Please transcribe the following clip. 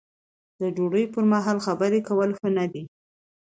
د ډوډۍ پر مهال خبرې کول ښه نه دي.